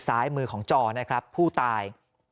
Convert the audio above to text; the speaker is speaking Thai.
ซ้ายมือของจอนะครับผู้ตาย